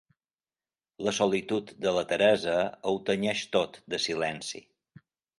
La solitud de la Teresa ho tenyeix tot de silenci.